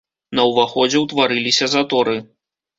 На ўваходзе ўтварыліся заторы.